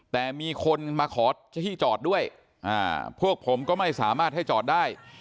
แต่มีคนมาขอที่จอดด้วยพวกผมก็ไม่สามารถให้จอดได้